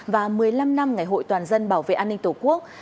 và một mươi năm năm ngày hội toàn dân bảo vệ an ninh tổ quốc